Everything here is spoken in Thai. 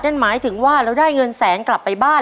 นั่นหมายถึงว่าเราได้เงินแสนกลับไปบ้าน